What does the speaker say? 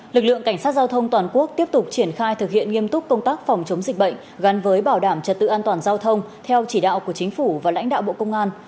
lực lượng cảnh sát giao thông toàn quốc tiếp tục triển khai thực hiện nghiêm túc công tác phòng chống dịch bệnh gắn với bảo đảm trật tự an toàn giao thông theo chỉ đạo của chính phủ và lãnh đạo bộ công an